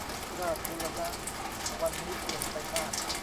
ราษฎร์บูรณะวันนี้เปลี่ยนไปมาก